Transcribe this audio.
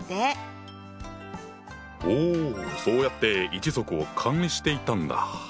おおそうやって一族を管理していたんだ。